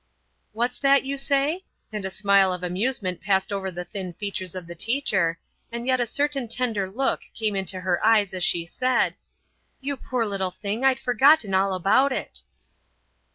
"What's that you say?" and a smile of amusement passed over the thin features of the teacher, and yet a certain tender look came into her eyes as she said, "You poor little thing! I'd forgotten all about it!"